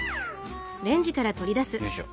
よいしょ。